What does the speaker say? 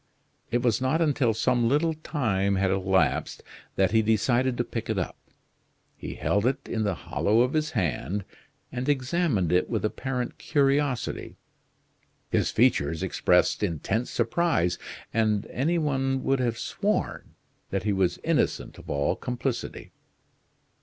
It was not until some little time had elapsed that he decided to pick it up. He held it in the hollow of his hand, and examined it with apparent curiosity. His features expressed intense surprise, and any one would have sworn that he was innocent of all complicity.